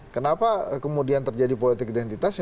kenapa kemudian terjadi politik identitas